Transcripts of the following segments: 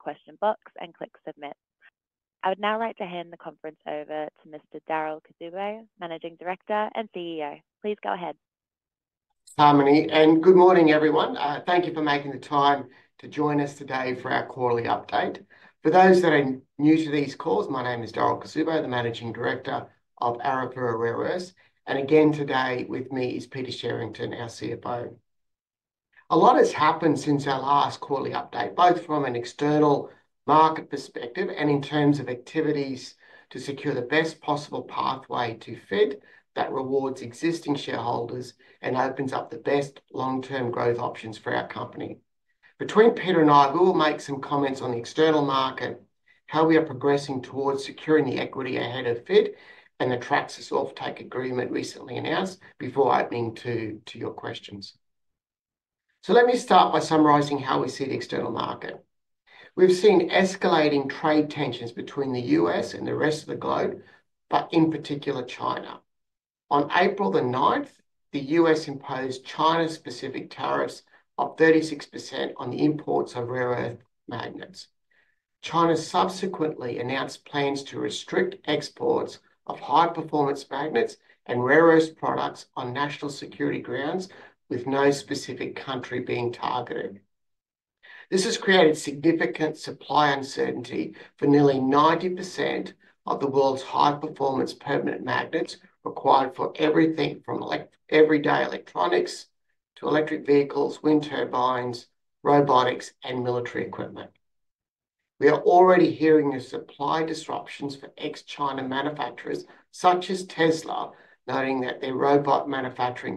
The question box and click submit. I would now like to hand the conference over to Mr. Darryl Cuzzubbo, Managing Director and CEO. Please go ahead. Hailey, and good morning, everyone. Thank you for making the time to join us today for our quarterly update. For those that are new to these calls, my name is Darryl Cuzzubbo, the Managing Director of Arafura Rare Earths, and again today with me is Peter Sherrington, our CFO. A lot has happened since our last quarterly update, both from an external market perspective and in terms of activities to secure the best possible pathway to FID that rewards existing shareholders and opens up the best long-term growth options for our company. Between Peter and I, we will make some comments on the external market, how we are progressing towards securing the equity ahead of FID, and the Traxys offtake agreement recently announced before opening to your questions. Let me start by summarizing how we see the external market. We've seen escalating trade tensions between the U.S. and the rest of the globe, but in particular, China. On April the 9th, the U.S. imposed China-specific tariffs of 36% on the imports of rare earth magnets. China subsequently announced plans to restrict exports of high-performance magnets and rare earth products on national security grounds, with no specific country being targeted. This has created significant supply uncertainty for nearly 90% of the world's high-performance permanent magnets required for everything from everyday electronics to electric vehicles, wind turbines, robotics, and military equipment. We are already hearing of supply disruptions for ex-China manufacturers such as Tesla, noting that their robot manufacturing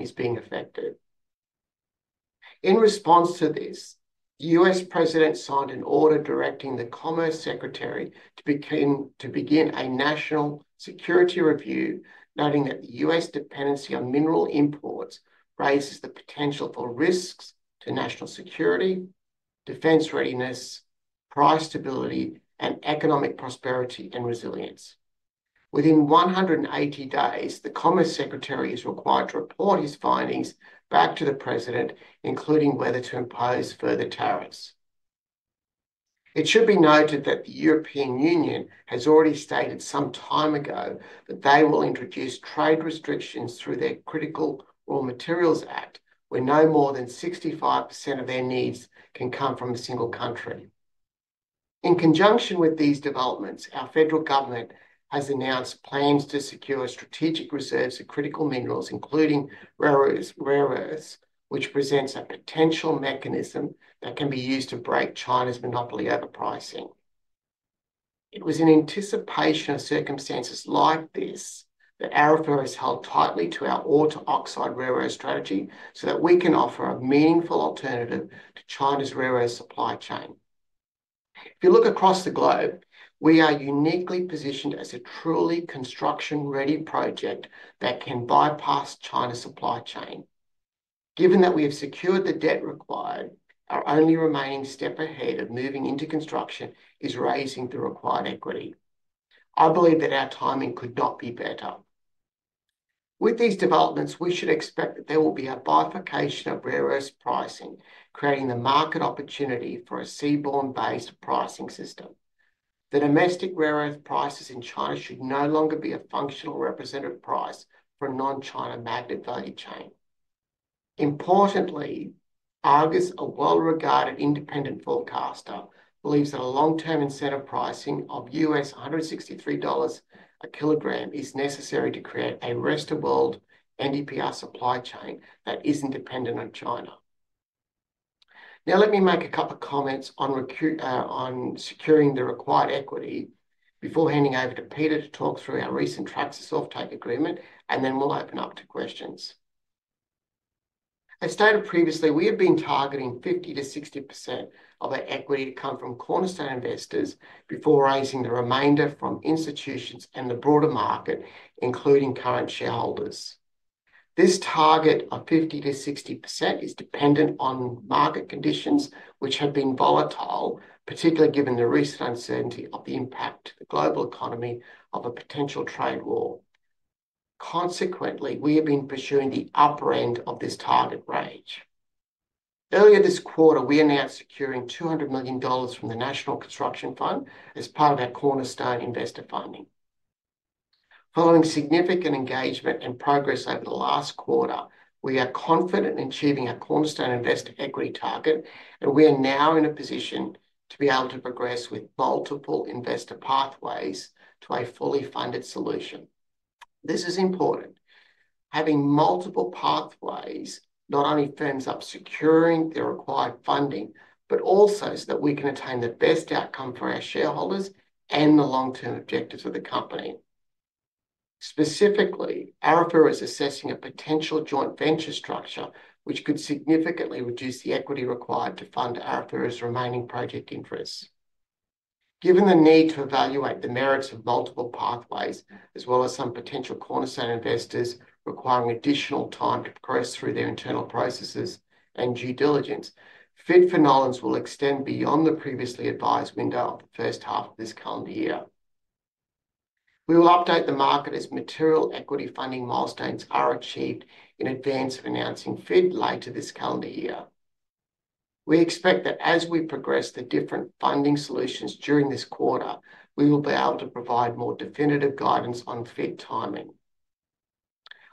is being affected. In response to this, the U.S. President signed an order directing the Commerce Secretary to begin a national security review, noting that the U.S. dependency on mineral imports raises the potential for risks to national security, defense readiness, price stability, and economic prosperity and resilience. Within 180 days, the Commerce Secretary is required to report his findings back to the President, including whether to impose further tariffs. It should be noted that the European Union has already stated some time ago that they will introduce trade restrictions through their Critical Raw Materials Act, where no more than 65% of their needs can come from a single country. In conjunction with these developments, our Federal Government has announced plans to secure strategic reserves of critical minerals, including rare earths, which presents a potential mechanism that can be used to break China's monopoly over pricing. It was in anticipation of circumstances like this that Arafura has held tightly to our ore-to-oxide rare earth strategy so that we can offer a meaningful alternative to China's rare earth supply chain. If you look across the globe, we are uniquely positioned as a truly construction-ready project that can bypass China's supply chain. Given that we have secured the debt required, our only remaining step ahead of moving into construction is raising the required equity. I believe that our timing could not be better. With these developments, we should expect that there will be a bifurcation of rare earth pricing, creating the market opportunity for a seaborne-based pricing system. The domestic rare earth prices in China should no longer be a functional representative price for a non-China magnet value chain. Importantly, Argus, a well-regarded independent forecaster, believes that a long-term incentive pricing of $163 a kilogram is necessary to create a rest of world NdPr supply chain that isn't dependent on China. Now, let me make a couple of comments on securing the required equity before handing over to Peter to talk through our recent Traxys offtake agreement, and then we'll open up to questions. As stated previously, we have been targeting 50%-60% of our equity to come from cornerstone investors before raising the remainder from institutions and the broader market, including current shareholders. This target of 50%-60% is dependent on market conditions, which have been volatile, particularly given the recent uncertainty of the impact to the global economy of a potential trade war. Consequently, we have been pursuing the upper end of this target range. Earlier this quarter, we announced securing 200 million dollars from the National Reconstruction Fund as part of our cornerstone investor funding. Following significant engagement and progress over the last quarter, we are confident in achieving our cornerstone investor equity target, and we are now in a position to be able to progress with multiple investor pathways to a fully funded solution. This is important. Having multiple pathways not only firms up securing the required funding, but also so that we can attain the best outcome for our shareholders and the long-term objectives of the company. Specifically, Arafura is assessing a potential joint venture structure which could significantly reduce the equity required to fund Arafura's remaining project interests. Given the need to evaluate the merits of multiple pathways, as well as some potential cornerstone investors requiring additional time to progress through their internal processes and due diligence, FID timelines will extend beyond the previously advised window of the first half of this calendar year. We will update the market as material equity funding milestones are achieved in advance of announcing FID late this calendar year. We expect that as we progress the different funding solutions during this quarter, we will be able to provide more definitive guidance on FID timing.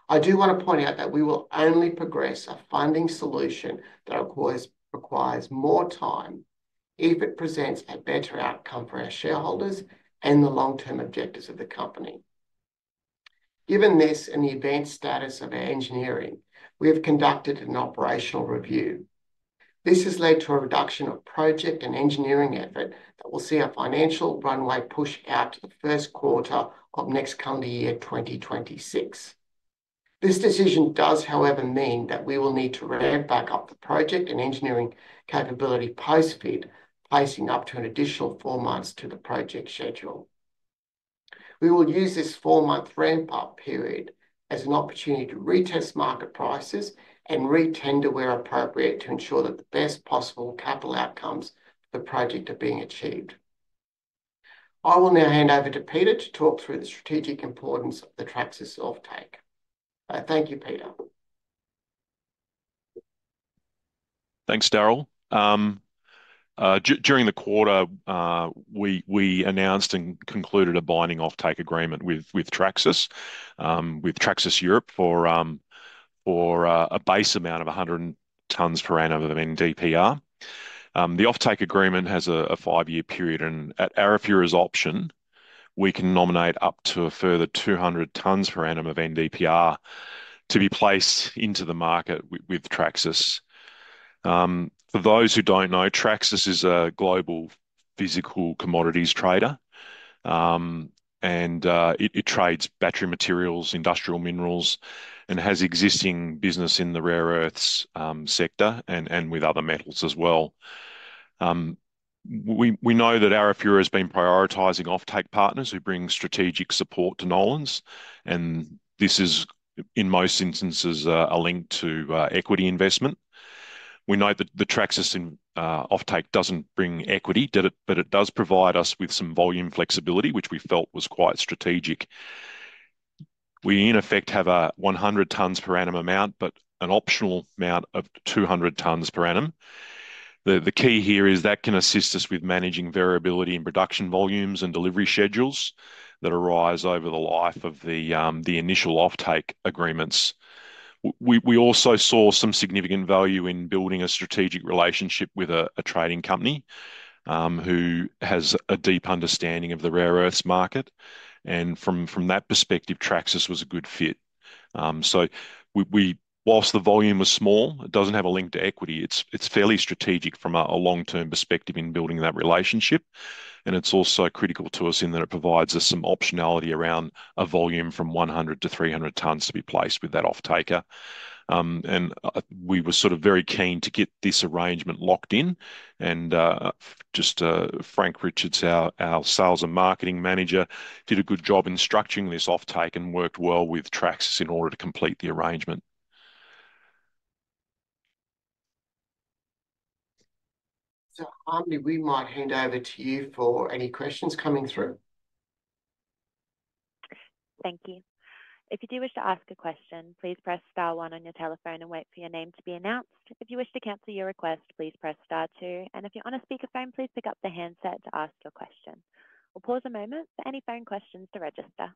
I do want to point out that we will only progress a funding solution that requires more time if it presents a better outcome for our shareholders and the long-term objectives of the company. Given this and the advanced status of our engineering, we have conducted an operational review. This has led to a reduction of project and engineering effort that will see our financial runway pushed out to the first quarter of next calendar year, 2026. This decision does, however, mean that we will need to ramp back up the project and engineering capability post-FID, pacing up to an additional four months to the project schedule. We will use this four-month ramp-up period as an opportunity to retest market prices and re-tender where appropriate to ensure that the best possible capital outcomes for the project are being achieved. I will now hand over to Peter to talk through the strategic importance of the Traxys offtake. Thank you, Peter. Thanks, Darryl. During the quarter, we announced and concluded a binding offtake agreement with Traxys, with Traxys Europe for a base amount of 100 tonnes per annum of NdPr. The offtake agreement has a five-year period, and at Arafura's option, we can nominate up to a further 200 tonnes per annum of NdPr to be placed into the market with Traxys. For those who don't know, Traxys is a global physical commodities trader, and it trades battery materials, industrial minerals, and has existing business in the rare earths sector and with other metals as well. We know that Arafura has been prioritizing offtake partners who bring strategic support to FID, and this is, in most instances, a link to equity investment. We know that the Traxys offtake doesn't bring equity, but it does provide us with some volume flexibility, which we felt was quite strategic. We, in effect, have a 100 tonnes per annum amount, but an optional amount of 200 tonnes per annum. The key here is that can assist us with managing variability in production volumes and delivery schedules that arise over the life of the initial offtake agreements. We also saw some significant value in building a strategic relationship with a trading company who has a deep understanding of the rare earths market, and from that perspective, Traxys was a good fit. Whilst the volume was small, it does not have a link to equity. It is fairly strategic from a long-term perspective in building that relationship, and it is also critical to us in that it provides us some optionality around a volume from 100-300 tonnes to be placed with that offtaker. We were sort of very keen to get this arrangement locked in, and just Frank Richards, our Marketing Manager, did a good job in structuring this offtake and worked well with Traxys in order to complete the arrangement. Hailey, we might hand over to you for any questions coming through. Thank you. If you do wish to ask a question, please press star one on your telephone and wait for your name to be announced. If you wish to cancel your request, please press star two, and if you're on a speakerphone, please pick up the handset to ask your question. We'll pause a moment for any phone questions to register.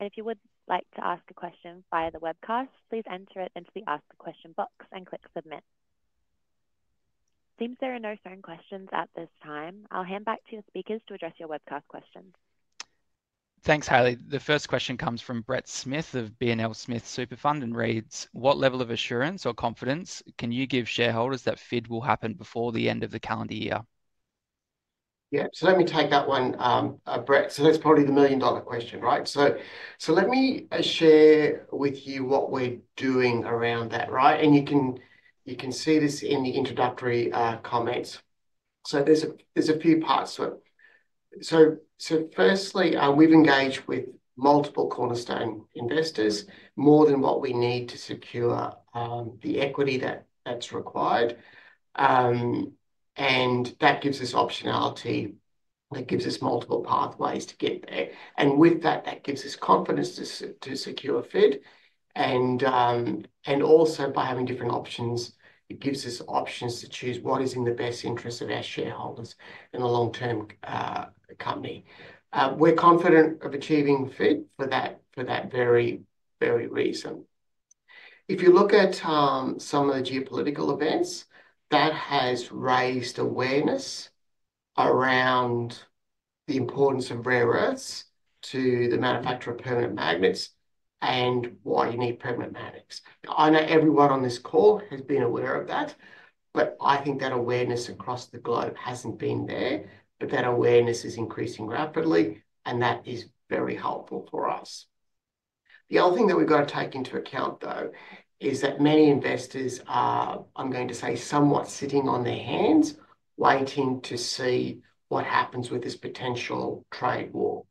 If you would like to ask a question via the webcast, please enter it into the ask a question box and click submit. It seems there are no phone questions at this time. I'll hand back to your speakers to address your webcast questions. Thanks, Hailey. The first question comes from Brett Smith of B&L Smith Super Fund and reads, "What level of assurance or confidence can you give shareholders that FID will happen before the end of the calendar year? Yeah, let me take that one, Brett. That's probably the million-dollar question, right? Let me share with you what we're doing around that, right? You can see this in the introductory comments. There are a few parts to it. Firstly, we've engaged with multiple cornerstone investors, more than what we need to secure the equity that's required. That gives us optionality. That gives us multiple pathways to get there. With that, that gives us confidence to secure FID. Also, by having different options, it gives us options to choose what is in the best interest of our shareholders in a long-term company. We're confident of achieving FID for that very reason. If you look at some of the geopolitical events, that has raised awareness around the importance of rare earths to the manufacture of permanent magnets and why you need permanent magnets. I know everyone on this call has been aware of that, but I think that awareness across the globe hasn't been there. That awareness is increasing rapidly, and that is very helpful for us. The other thing that we've got to take into account, though, is that many investors are, I'm going to say, somewhat sitting on their hands, waiting to see what happens with this potential trade war.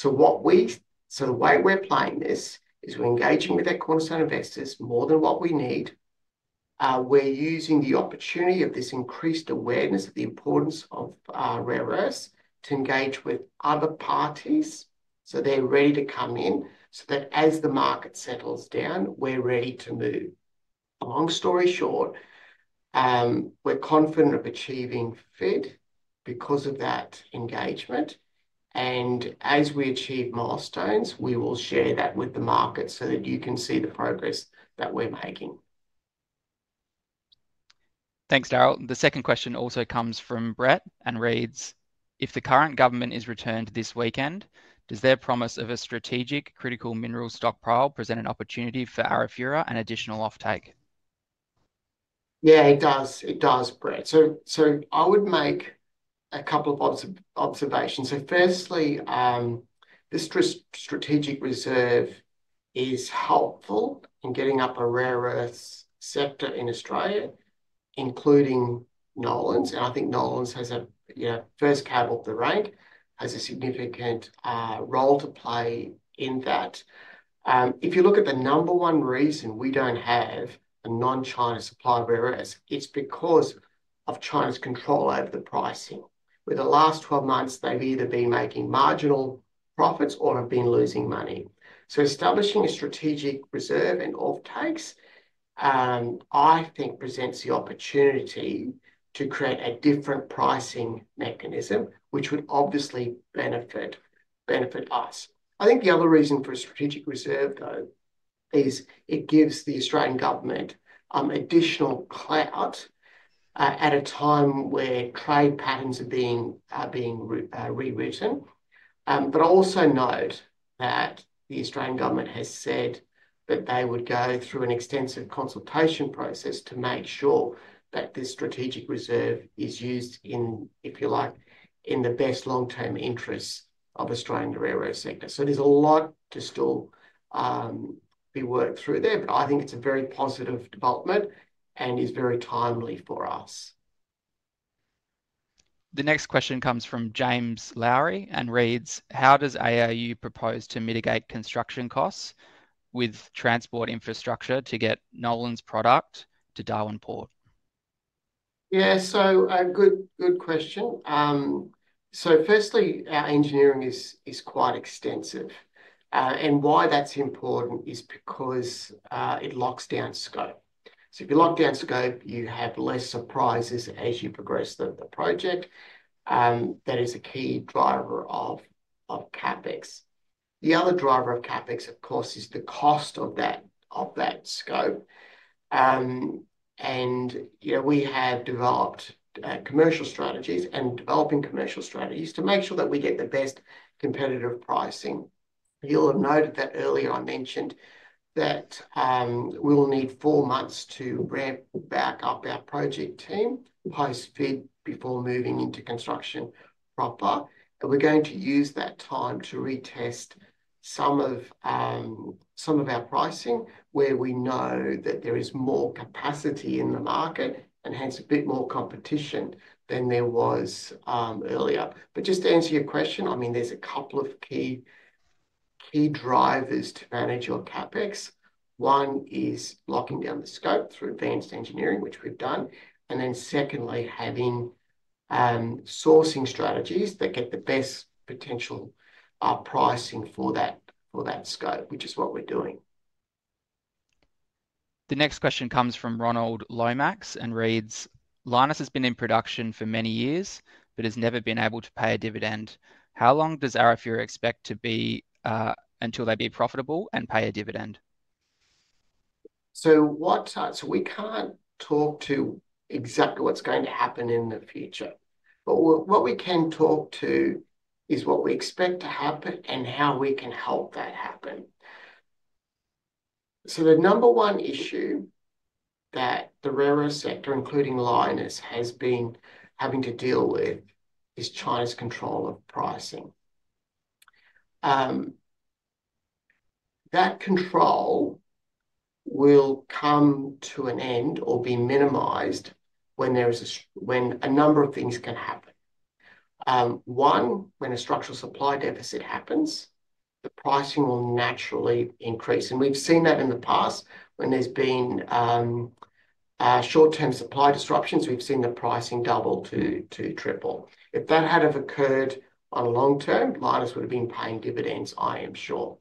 The way we're playing this is we're engaging with our cornerstone investors more than what we need. We're using the opportunity of this increased awareness of the importance of rare earths to engage with other parties so they're ready to come in so that as the market settles down, we're ready to move. Long story short, we're confident of achieving FID because of that engagement. As we achieve milestones, we will share that with the market so that you can see the progress that we're making. Thanks, Darryl. The second question also comes from Brett and reads, "If the current government is returned this weekend, does their promise of a strategic critical mineral stockpile present an opportunity for Arafura and additional offtake? Yeah, it does. It does, Brett. I would make a couple of observations. Firstly, the strategic reserve is helpful in getting up a rare earths sector in Australia, including Nolans. I think Nolans as a first cab off the rank has a significant role to play in that. If you look at the number one reason we do not have a non-China supply of rare earths, it is because of China's control over the pricing. Within the last 12 months, they have either been making marginal profits or have been losing money. Establishing a strategic reserve and offtakes, I think, presents the opportunity to create a different pricing mechanism, which would obviously benefit us. I think the other reason for a strategic reserve, though, is it gives the Australian government additional clout at a time where trade patterns are being rewritten. I also note that the Australian government has said that they would go through an extensive consultation process to make sure that this strategic reserve is used in, if you like, in the best long-term interests of the Australian rare earths sector. There is a lot to still be worked through there, but I think it is a very positive development and is very timely for us. The next question comes from James Lowry and reads, "How does ARU propose to mitigate construction costs with transport infrastructure to get Nolans product to Darwin Port? Yeah, good question. Firstly, our engineering is quite extensive. Why that's important is because it locks down scope. If you lock down scope, you have less surprises as you progress the project. That is a key driver of CapEx. The other driver of CapEx, of course, is the cost of that scope. We have developed commercial strategies and are developing commercial strategies to make sure that we get the best competitive pricing. You'll have noted that earlier I mentioned that we will need four months to ramp back up our project team post-FID before moving into construction proper. We're going to use that time to retest some of our pricing where we know that there is more capacity in the market and hence a bit more competition than there was earlier. Just to answer your question, I mean, there's a couple of key drivers to manage your CapEx. One is locking down the scope through advanced engineering, which we've done. Then secondly, having sourcing strategies that get the best potential pricing for that scope, which is what we're doing. The next question comes from Ronald Lomax and reads, "Lynas has been in production for many years, but has never been able to pay a dividend. How long does Arafura expect to be until they be profitable and pay a dividend? We cannot talk to exactly what is going to happen in the future. What we can talk to is what we expect to happen and how we can help that happen. The number one issue that the rare earths sector, including Lynas, has been having to deal with is China's control of pricing. That control will come to an end or be minimized when a number of things can happen. One, when a structural supply deficit happens, the pricing will naturally increase. We have seen that in the past. When there have been short-term supply disruptions, we have seen the pricing double to triple. If that had occurred on a long term, Lynas would have been paying dividends, I am sure.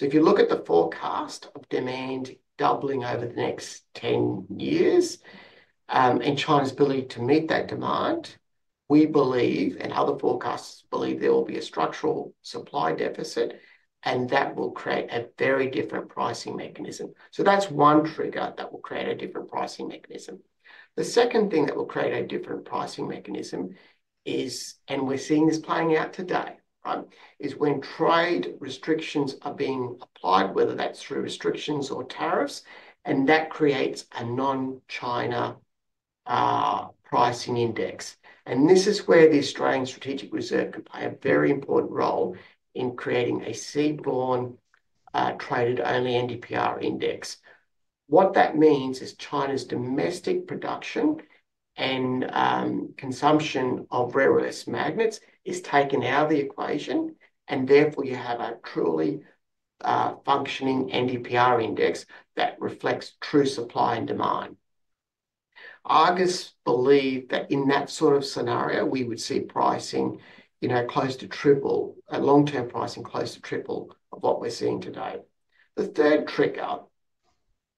If you look at the forecast of demand doubling over the next 10 years and China's ability to meet that demand, we believe, and other forecasts believe, there will be a structural supply deficit, and that will create a very different pricing mechanism. That is one trigger that will create a different pricing mechanism. The second thing that will create a different pricing mechanism is, and we're seeing this playing out today, when trade restrictions are being applied, whether that's through restrictions or tariffs, and that creates a non-China pricing index. This is where the Australian strategic reserve could play a very important role in creating a seaborne traded-only NdPr index. What that means is China's domestic production and consumption of rare earths magnets is taken out of the equation, and therefore you have a truly functioning NdPr index that reflects true supply and demand. I just believe that in that sort of scenario, we would see pricing close to triple, a long-term pricing close to triple of what we're seeing today. The third trigger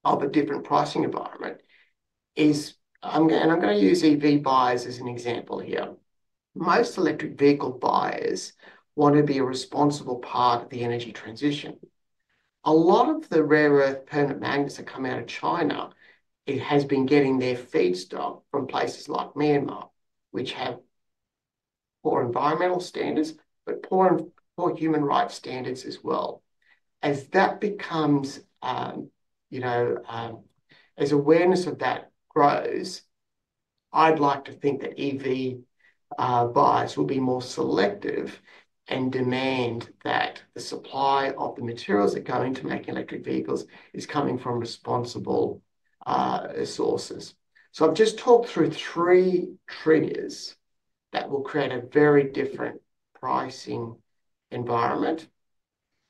of a different pricing environment is, and I'm going to use EV buyers as an example here. Most electric vehicle buyers want to be a responsible part of the energy transition. A lot of the rare earth permanent magnets that come out of China, it has been getting their feedstock from places like Myanmar, which have poor environmental standards, but poor human rights standards as well. As that becomes, as awareness of that grows, I'd like to think that EV buyers will be more selective and demand that the supply of the materials that go into making electric vehicles is coming from responsible sources. I've just talked through three triggers that will create a very different pricing environment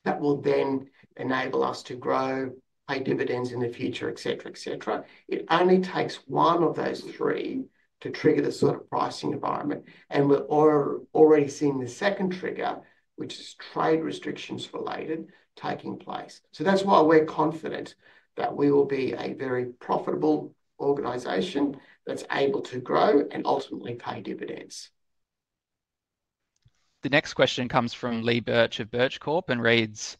that will then enable us to grow, pay dividends in the future, etc., etc. It only takes one of those three to trigger this sort of pricing environment. We're already seeing the second trigger, which is trade restrictions related, taking place. That's why we're confident that we will be a very profitable organisation that's able to grow and ultimately pay dividends. The next question comes from Lee Burch of Burch Corp and reads,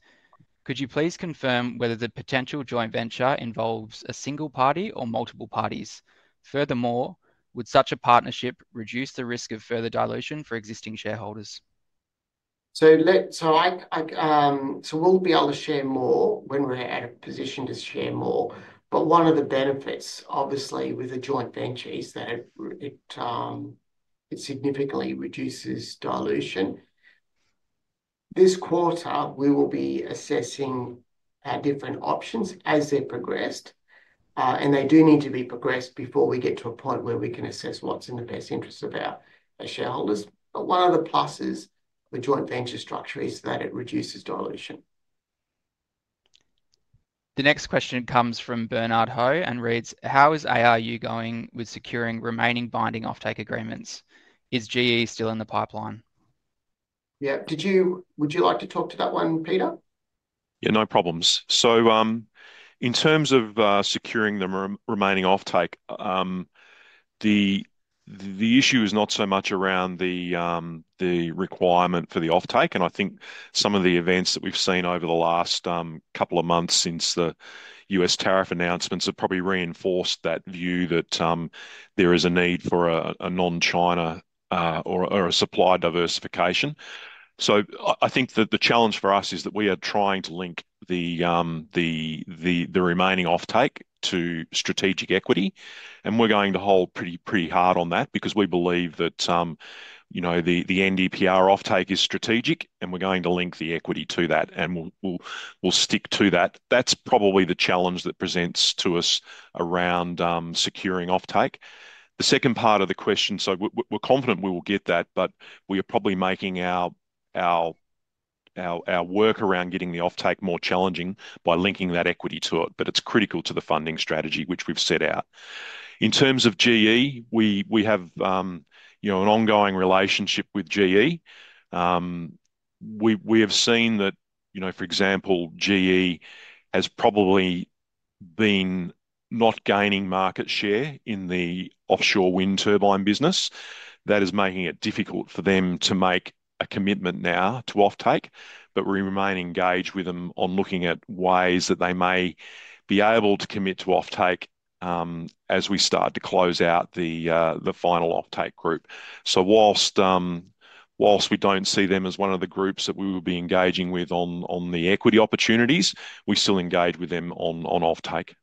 "Could you please confirm whether the potential joint venture involves a single party or multiple parties? Furthermore, would such a partnership reduce the risk of further dilution for existing shareholders? We will be able to share more when we are at a position to share more. One of the benefits, obviously, with a joint venture is that it significantly reduces dilution. This quarter, we will be assessing our different options as they progressed. They do need to be progressed before we get to a point where we can assess what is in the best interest of our shareholders. One of the pluses of the joint venture structure is that it reduces dilution. The next question comes from Bernard Ho and reads, "How is ARU going with securing remaining binding offtake agreements? Is GE still in the pipeline? Yeah, would you like to talk to that one, Peter? Yeah, no problems. In terms of securing the remaining offtake, the issue is not so much around the requirement for the offtake. I think some of the events that we've seen over the last couple of months since the U.S. tariff announcements have probably reinforced that view that there is a need for a non-China or a supply diversification. I think that the challenge for us is that we are trying to link the remaining offtake to strategic equity. We're going to hold pretty hard on that because we believe that the NdPr offtake is strategic, and we're going to link the equity to that, and we'll stick to that. That's probably the challenge that presents to us around securing offtake. The second part of the question, we are confident we will get that, but we are probably making our work around getting the offtake more challenging by linking that equity to it. It is critical to the funding strategy, which we have set out. In terms of GE, we have an ongoing relationship with GE. We have seen that, for example, GE has probably been not gaining market share in the offshore wind turbine business. That is making it difficult for them to make a commitment now to offtake. We remain engaged with them on looking at ways that they may be able to commit to offtake as we start to close out the final offtake group. Whilst we do not see them as one of the groups that we will be engaging with on the equity opportunities, we still engage with them on offtake.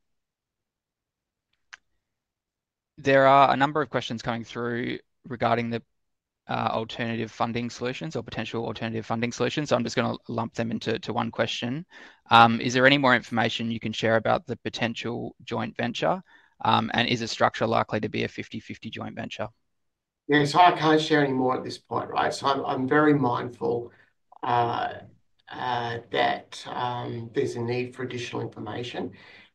There are a number of questions coming through regarding the alternative funding solutions or potential alternative funding solutions. I'm just going to lump them into one question. Is there any more information you can share about the potential joint venture? Is a structure likely to be a 50-50 joint venture? Yeah, it's hard case sharing more at this point, right? I'm very mindful that there's a need for additional information.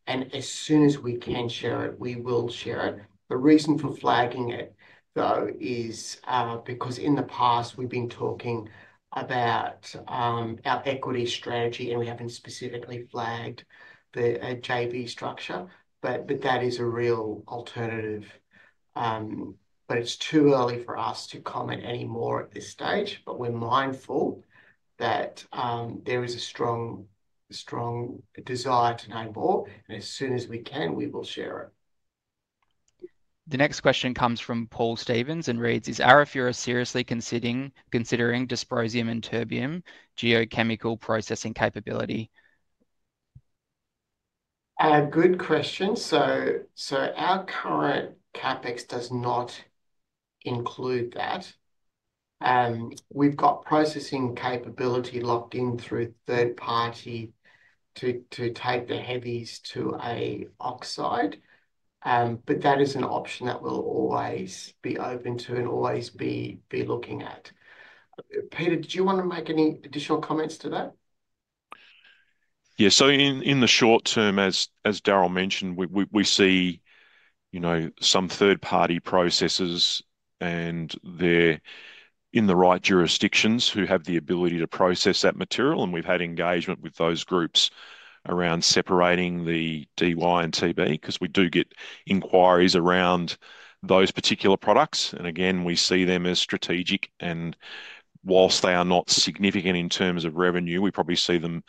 As soon as we can share it, we will share it. The reason for flagging it, though, is because in the past, we've been talking about our equity strategy, and we haven't specifically flagged the JV structure. That is a real alternative. It's too early for us to comment any more at this stage. We're mindful that there is a strong desire to know more. As soon as we can, we will share it. The next question comes from Paul Stevens and reads, "Is Arafura seriously considering dysprosium and terbium geochemical processing capability? Good question. Our current CapEx does not include that. We've got processing capability locked in through third party to take the heavies to an oxide. That is an option that we'll always be open to and always be looking at. Peter, do you want to make any additional comments to that? Yeah. In the short term, as Darryl mentioned, we see some third-party processors and they are in the right jurisdictions who have the ability to process that material. We have had engagement with those groups around separating the Dysprosium and Terbium because we do get inquiries around those particular products. We see them as strategic. Whilst they are not significant in terms of revenue, we probably see them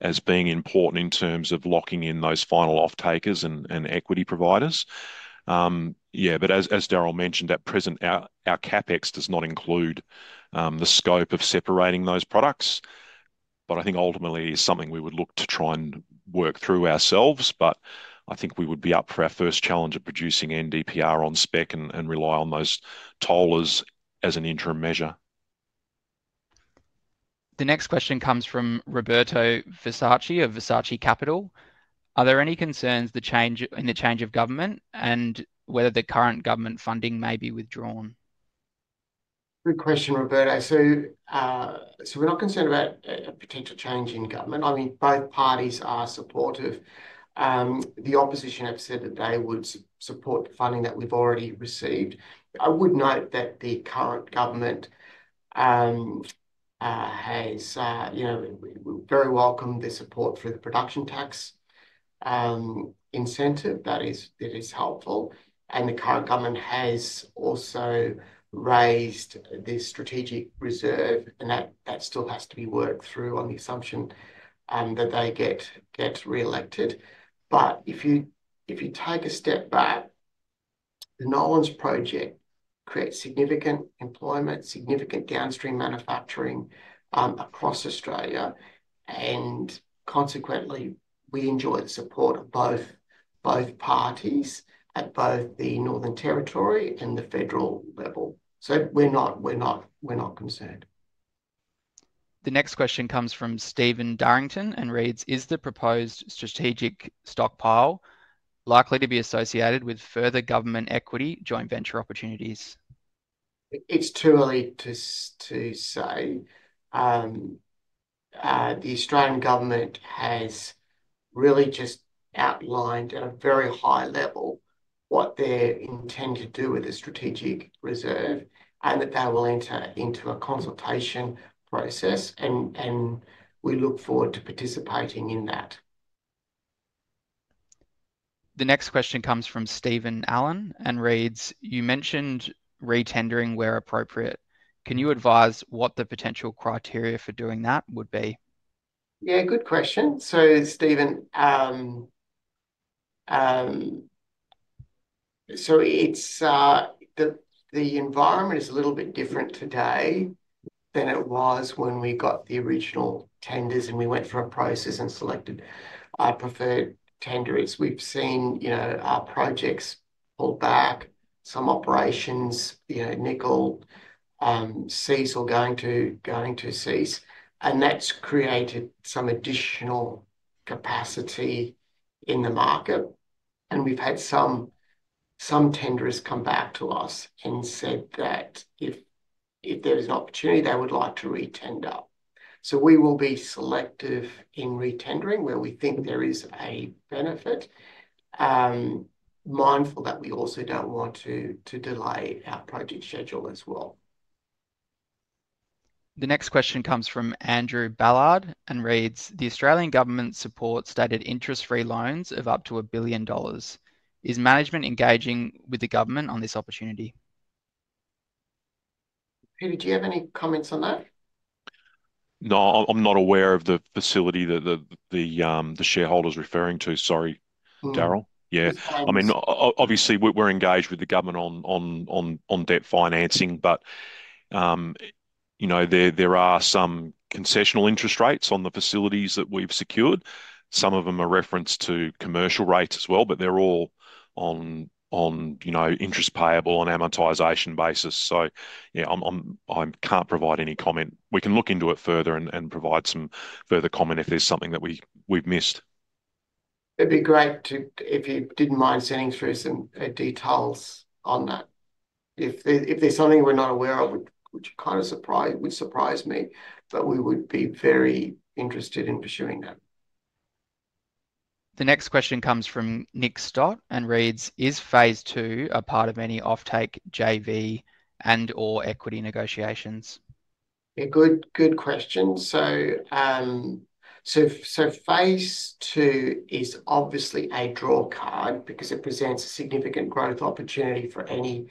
as being important in terms of locking in those final offtakers and equity providers. As Darryl mentioned, at present, our CapEx does not include the scope of separating those products. I think ultimately it is something we would look to try and work through ourselves. I think we would be up for our first challenge of producing NdPr on spec and rely on those tollers as an interim measure. The next question comes from Roberto Versace of Versace Capital. Are there any concerns in the change of government and whether the current government funding may be withdrawn? Good question, Roberto. We are not concerned about a potential change in government. I mean, both parties are supportive. The opposition have said that they would support the funding that we have already received. I would note that the current government has very welcomed the support for the Production Tax Incentive. That is helpful. The current government has also raised the strategic reserve. That still has to be worked through on the assumption that they get re-elected. If you take a step back, the Nolans Project creates significant employment, significant downstream manufacturing across Australia. Consequently, we enjoy the support of both parties at both the Northern Territory and the federal level. We are not concerned. The next question comes from Stephen Darrington and reads, "Is the proposed strategic stockpile likely to be associated with further government equity joint venture opportunities? It's too early to say. The Australian government has really just outlined at a very high level what they intend to do with the strategic reserve and that they will enter into a consultation process. We look forward to participating in that. The next question comes from Steven Allen and reads, "You mentioned re-tendering where appropriate. Can you advise what the potential criteria for doing that would be? Yeah, good question. Steven, the environment is a little bit different today than it was when we got the original tenders and we went through a process and selected our preferred tenders. We've seen our projects pull back, some operations, nickel, cease all going to cease. That has created some additional capacity in the market. We've had some tenders come back to us and said that if there's an opportunity, they would like to re-tender. We will be selective in re-tendering where we think there is a benefit, mindful that we also do not want to delay our project schedule as well. The next question comes from Andrew Ballard and reads, "The Australian government supports stated interest-free loans of up to 1 billion dollars. Is management engaging with the government on this opportunity? Peter, do you have any comments on that? No, I'm not aware of the facility that the shareholders are referring to. Sorry, Darryl. Yeah. I mean, obviously, we're engaged with the government on debt financing. There are some concessional interest rates on the facilities that we've secured. Some of them are referenced to commercial rates as well. They're all on interest payable on amortization basis. Yeah, I can't provide any comment. We can look into it further and provide some further comment if there's something that we've missed. It'd be great if you didn't mind sending through some details on that. If there's something we're not aware of, which would surprise me, but we would be very interested in pursuing that. The next question comes from Nick Stott and reads, "Is Phase 2 a part of any offtake JV and/or equity negotiations? Good question. Phase 2 is obviously a draw card because it presents a significant growth opportunity for any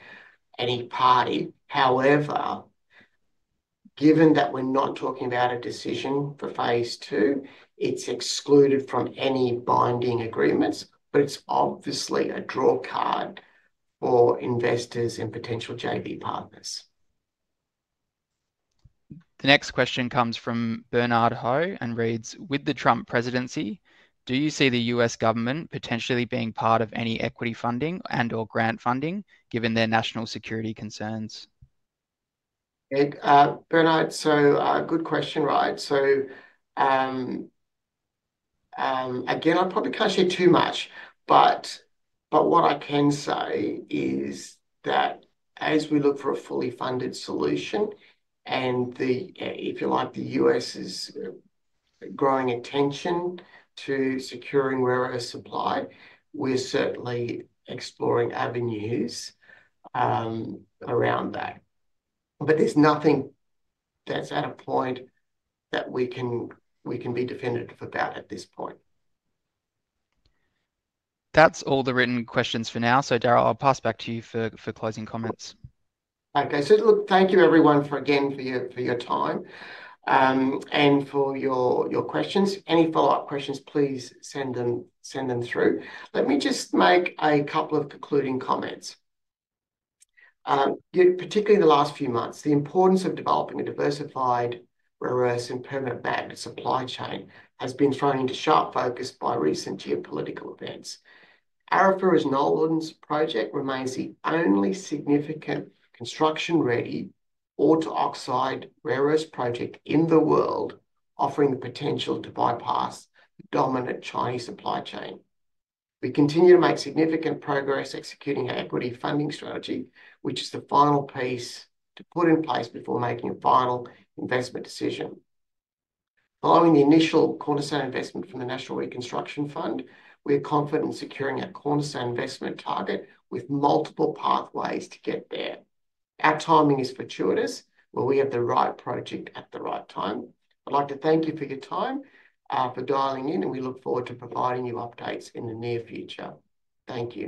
party. However, given that we're not talking about a decision for phase 2, it's excluded from any binding agreements. It is obviously a draw card for investors and potential JV partners. The next question comes from Bernard Ho and reads, "With the Trump presidency, do you see the U.S. government potentially being part of any equity funding and/or grant funding given their national security concerns? Bernard, good question, right? I probably can't share too much. What I can say is that as we look for a fully funded solution, and if you like, the U.S. is growing attention to securing where it is supplied, we're certainly exploring avenues around that. There is nothing that's at a point that we can be definitive about at this point. That's all the written questions for now. Darryl, I'll pass back to you for closing comments. Okay. Thank you, everyone, again for your time and for your questions. Any follow-up questions, please send them through. Let me just make a couple of concluding comments. Particularly in the last few months, the importance of developing a diversified rare earths and permanent magnet supply chain has been thrown into sharp focus by recent geopolitical events. Arafura's Nolans Project remains the only significant construction-ready ore-to-oxide rare earths project in the world, offering the potential to bypass the dominant Chinese supply chain. We continue to make significant progress executing our equity funding strategy, which is the final piece to put in place before making a final investment decision. Following the initial cornerstone investment from the National Reconstruction Fund, we are confident in securing our cornerstone investment target with multiple pathways to get there. Our timing is fortuitous where we have the right project at the right time. I'd like to thank you for your time for dialing in, and we look forward to providing you updates in the near future. Thank you.